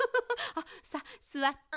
あさあすわって。